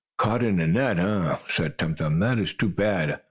Page 41] "Caught in a net, eh?" said Tum Tum. "That is too bad.